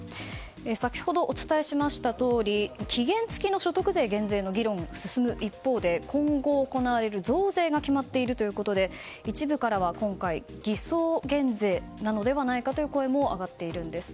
先ほどお伝えしましたとおり期限付きの所得税減税の議論が進む一方で、今後行われる増税が決まっているということで一部からは今回、偽装減税なのではないかという声も上がっているんです。